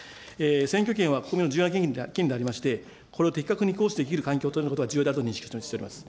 選挙権は国民の重要な権利でありまして、これを的確に行使できる環境というのが重要だと認識しております。